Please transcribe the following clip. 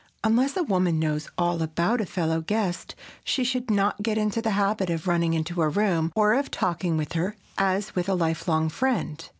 Unless a woman knows all about a fellow guest, she should not get into the habit of running into her room, or of talking with her as with a lifelong friend.